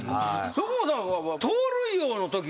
福本さんは。